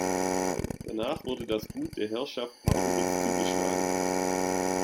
Danach wurde das Gut der Herrschaft Pardubitz zugeschlagen.